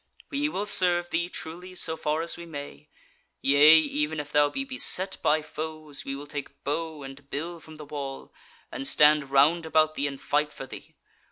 We will serve thee truly so far as we may: yea, even if thou be beset by foes, we will take bow and bill from the wall, and stand round about thee and fight for thee.